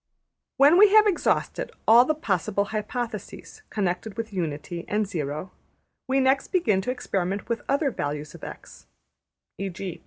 When we have exhausted all the possible hypotheses connected with Unity and Zero, we next begin to experiment with other values of $x$; \emph{e.g.